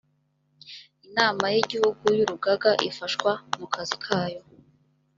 inama y igihugu y urugaga ifashwa mu kazi kayo